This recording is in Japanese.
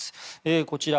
こちら